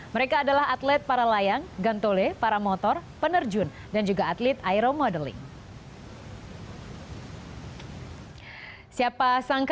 mereka adalah atlet para layang gantole para motor penerjun dan juga atlet aeromodeling